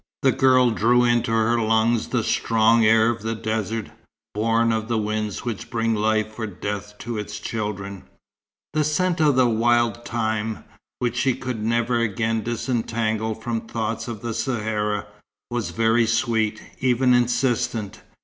The girl drew into her lungs the strong air of the desert, born of the winds which bring life or death to its children. The scent of the wild thyme, which she could never again disentangle from thoughts of the Sahara, was very sweet, even insistent.